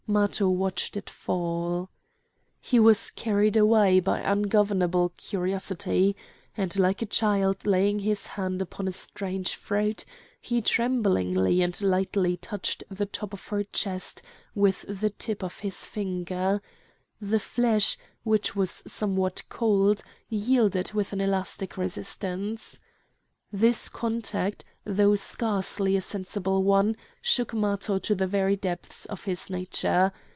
Matho watched it fall. He was carried away by ungovernable curiosity; and, like a child laying his hand upon a strange fruit, he tremblingly and lightly touched the top of her chest with the tip of his finger: the flesh, which was somewhat cold, yielded with an elastic resistance. This contact, though scarcely a sensible one, shook Matho to the very depths of his nature.